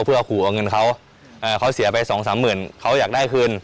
เพื่อขู่เอาเงินเขาเขาเสียไปสองสามหมื่นเขาอยากได้คืน